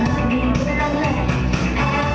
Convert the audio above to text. ยังคงบ้าน